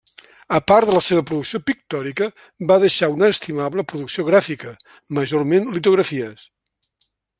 A part de la seva producció pictòrica, va deixar una estimable producció gràfica, majorment litografies.